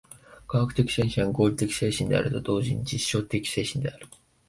科学的精神は合理的精神であると同時に実証的精神である。